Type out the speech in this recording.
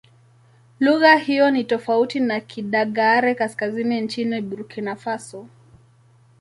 Lugha hiyo ni tofauti na Kidagaare-Kaskazini nchini Burkina Faso.